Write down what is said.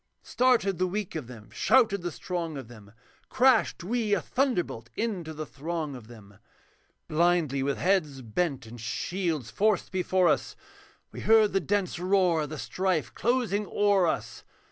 Started the weak of them, shouted the strong of them, Crashed we a thunderbolt into the throng of them, Blindly with heads bent, and shields forced before us, We heard the dense roar of the strife closing o'er us.